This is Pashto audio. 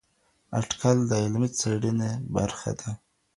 اټکل د علمي څېړنې برخه ده.